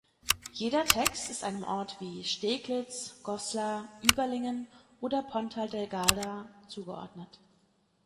Jeder Text ist einem Ort wie Steglitz, Goslar, Überlingen oder Ponta Delgada zugeordnet.